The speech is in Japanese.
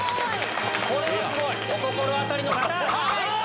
すごい！お心当たりの方！